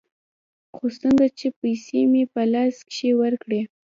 خو څنگه چې پيسې مې په لاس کښې ورکړې.